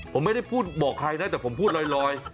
ผมไม่ได้พูดบอกใครนะแต่ผมพูดลอย